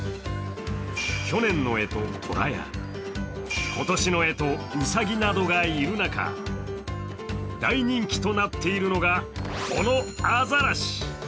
去年の干支、とらや今年の干支、うさぎなどがいる中大人気となっているのがこのアザラシ。